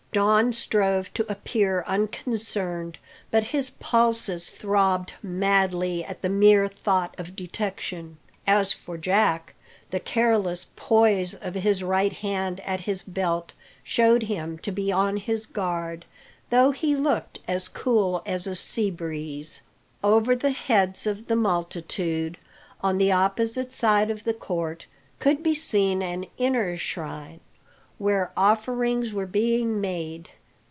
Don strove to appear unconcerned, but his pulses throbbed madly at the mere thought of detection. As for Jack, the careless poise of his right hand at his belt showed him to be on his guard, though he looked as cool as a sea breeze. Over the heads of the multitude, on the opposite side of the court, could be seen an inner shrine, where offerings were being made.